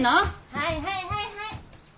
はいはいはいはい。